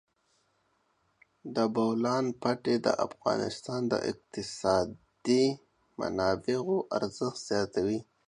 د بولان پټي د افغانستان د اقتصادي منابعو ارزښت زیاتوي.